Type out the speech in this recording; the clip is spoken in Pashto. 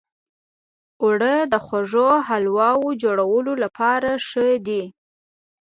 اوړه د خوږو حلوو جوړولو لپاره ښه دي